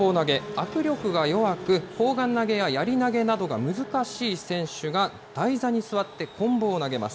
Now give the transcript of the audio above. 握力が弱く、砲丸投げややり投げなどが難しい選手が台座に座ってこん棒を投げます。